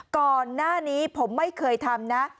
ก่อนหน้านี้ผมไม่เคยทำนะ